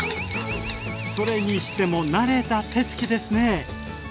それにしても慣れた手つきですね！